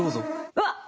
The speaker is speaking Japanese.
うわっ！